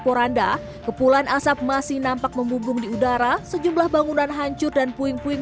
poranda kepulan asap masih nampak membumbung di udara sejumlah bangunan hancur dan puing puing